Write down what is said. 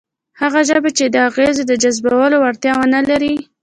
هغه ژبه چې د اغېزو د جذبولو وړتیا ونه لري،